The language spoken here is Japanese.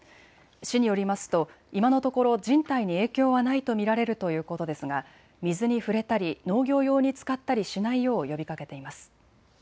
市によりますと今のところ人体に影響はないと見られるということですが、水に触れたり農業用に使ったりしないよう呼びかけています。